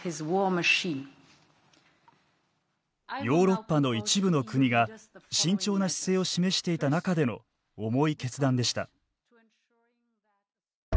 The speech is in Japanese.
ヨーロッパの一部の国が慎重な姿勢を示していた中での重い決断でした。